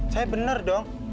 saya benar dong